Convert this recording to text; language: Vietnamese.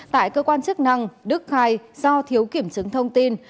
tại cơ quan chức năng đức khai do thiếu kiểm chứng thông tin